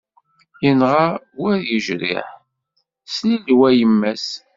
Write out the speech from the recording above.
Yenɣa wer yejriḥ, slilew a yemma-s.